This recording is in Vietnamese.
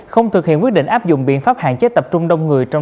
không thực hiện quyết định áp dụng biện pháp hạn chế tập trung đông người trong